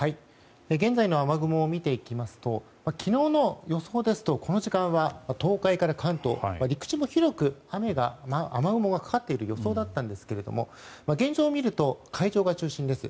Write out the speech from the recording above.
現在の雨雲を見ていきますと昨日の予想ですとこの時間は東海から関東陸地も広く雨雲がかかっている予想だったんですけども現状を見ると海上が中心です。